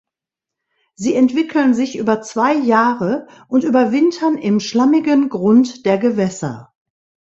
Sie entwickeln sich über zwei Jahre und überwintern im schlammigen Grund der Gewässer.